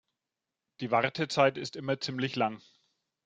Die Wartezeit ist immer ziemlich lang.